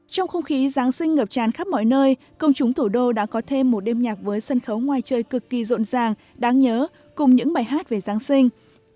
trong không khí giáng sinh ngập tràn khắp mọi nơi công chúng thủ đô đã có thêm một đêm nhạc với sân khấu ngoài chơi cực kỳ rộn ràng đáng nhớ cùng những bài hát về giáng sinh